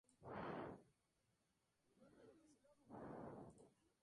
Fundó en Elda la Logia Amor, de la que fue su primer secretario.